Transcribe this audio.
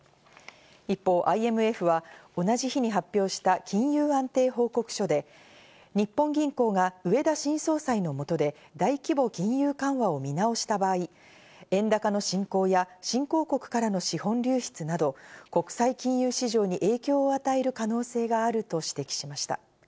一方、ＩＭＦは同じ日に発表した金融安定報告書で、日本銀行が植田新総裁のもとで大規模金融緩和を見直した場合、円高の進行や新興国からの資本流出など、国際金融市場に影響を与える可能性があると指摘しました。